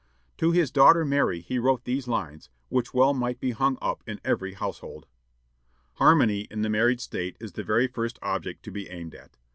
To his daughter Mary he wrote these lines, which well might be hung up in every household: "Harmony in the married state is the very first object to be aimed at.